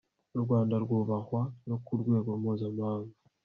u rwanda rwubahwa no ku rwego mpuzamahanga